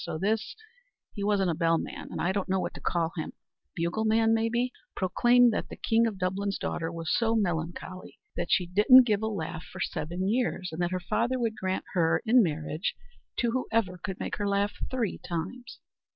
So this he wasn't a bell man, and I don't know what to call him bugle man, maybe, proclaimed that the king of Dublin's daughter was so melancholy that she didn't give a laugh for seven years, and that her father would grant her in marriage to whoever could make her laugh three times.